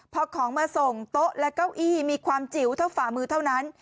พอของมาส่งโต๊ะและเก้าอี้มีความจิ๋วเท่าฝ่ามือเท่านั้น